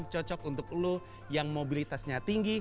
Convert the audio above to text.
cocok untuk lu yang mobilitasnya tinggi